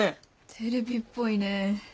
テレビっぽいね。